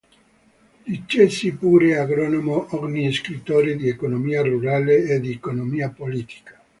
Dicesi pure agronomo ogni scrittore di economia rurale e di economia politica”.